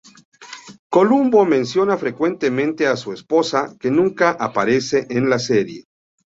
Columbo menciona frecuentemente a su esposa, que nunca aparece en la serie.